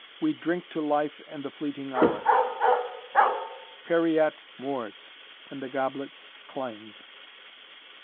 "We drink to Life and the fleeting Hour." "Pereat Mors." And the goblets clanged.